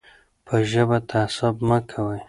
په ژبه تعصب مه کوئ.